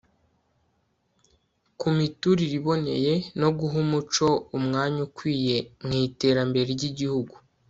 ku miturire iboneye, no guha umuco umwanya ukwiye mu iterambere ry'igihugu